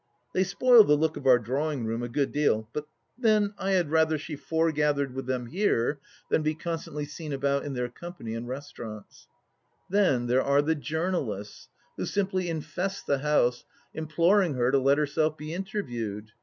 They spoil the look of our drawing room a good deal ; but then, I had rather she forgathered with THE LAST DITCH 21 them here than be constantly seen about in their company in restaurants. Then there are the journalists, who simply infest the house, imploring her to let herself be interviewed.